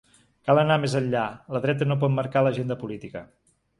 “Cal anar més enllà, la dreta no pot marcar l’agenda política”.